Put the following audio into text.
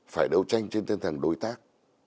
phải đấu tranh trên tinh thần đối tác